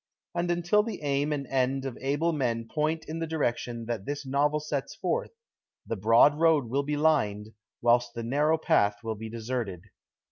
And until the aim and end of able men point in the direction that this novel sets forth, the broad road will be lined, whilst the narrow path will be deserted